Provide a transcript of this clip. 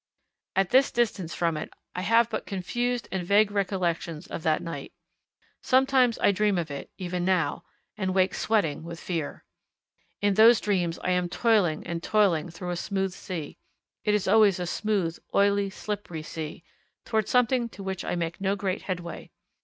At this distance from it I have but confused and vague recollections of that night. Sometimes I dream of it even now and wake sweating with fear. In those dreams I am toiling and toiling through a smooth sea it is always a smooth, oily, slippery sea towards something to which I make no great headway.